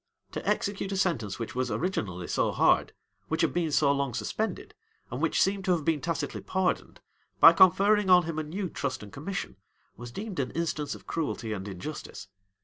To execute a sentence which was originally so hard, which had been so long suspended, and which seemed to have been tacitly pardoned, by conferring on him a new trust and commission, was deemed an instance of cruelty and injustice.